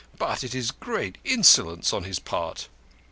But it is great insolence on his part."